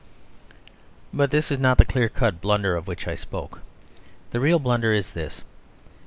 But this is not the clear cut blunder of which I spoke. The real blunder is this.